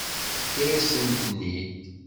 Tefka-yasen-ten-id.